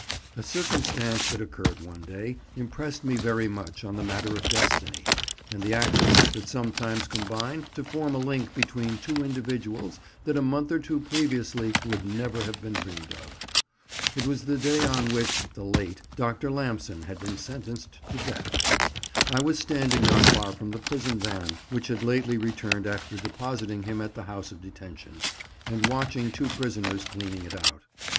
A circumstance that occurred one day impressed me very much on the matter of destiny, and the accidents that sometimes combine to form a link between two individuals that a month or two previously would never have been dreamed of. It was the day on which (the late) Dr. Lamson had been sentenced to death. I was standing not far from the prison van, which had lately returned after depositing him at the House of Detention, and watching two prisoners cleaning it out.